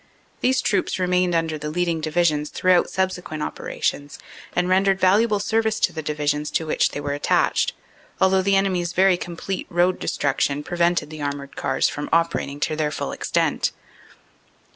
These troops remained under the leading Divi sions throughout subsequent operations and rendered valuable service to the Divisions to which they were attached, although the enemy s very complete road destruction prevented the armored cars from operating to their full extent.